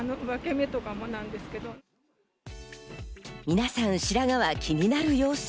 皆さん、白髪は気になる様子。